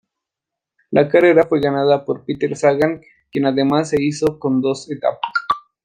La carrera fue ganada por Peter Sagan quien además se hizo con dos etapas.